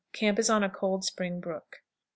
Camp is on a cold spring brook. 6.